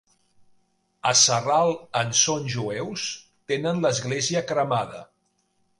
A Sarral en són jueus, tenen l'església cremada.